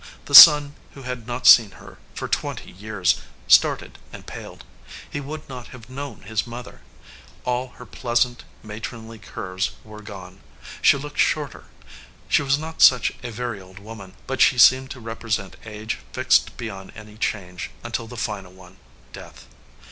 The son, who had not seen her for twenty years, started and paled. He would not have known his mother. All her pleasant, matronly curves were gone. She looked shorter. She was not such a very old woman, but she seemed to represent age fixed be yond any change until the final one, death.